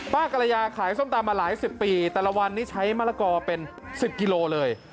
กรยาขายส้มตำมาหลายสิบปีแต่ละวันนี้ใช้มะละกอเป็น๑๐กิโลเลย